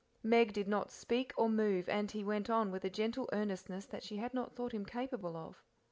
Meg did not speak or move, and he went on with a gentle earnestness that she had not thought him capable of..